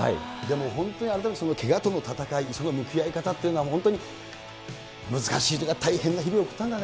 本当に改めてけがとのたたかい、その向き合いかたっていうのは、本当に難しいというか、大変な日々を送ったんだね。